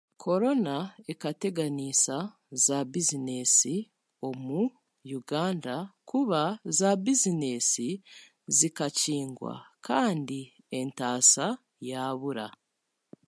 Korona ekateganiisa za bizineesi omu Uganda kuba zaabizineesi zikakingwa kandi entaasa yaabura